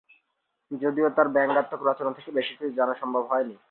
যদিও তার ব্যঙ্গাত্মক রচনা থেকে বেশি কিছু জানা সম্ভব হয়নি।